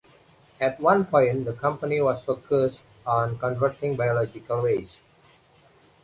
At one point the company was focused on converting biological waste.